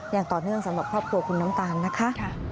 อย่างต่อเนื่องสำหรับครอบครัวคุณน้ำตาลนะคะ